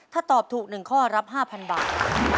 ถ้าตอบถูกหนึ่งข้อรับ๕๐๐๐บาท